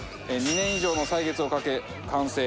２年以上の歳月をかけ完成。